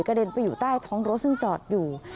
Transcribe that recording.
เด็นไปอยู่ใต้ท้องรถซึ่งจอดอยู่